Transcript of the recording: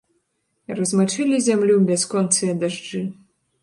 Размачылі зямлю бясконцыя дажджы.